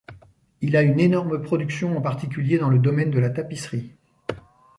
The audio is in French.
Il a une énorme production en particulier dans le domaine de la tapisserie.